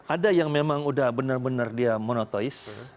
ada yang memang sudah benar benar monotheis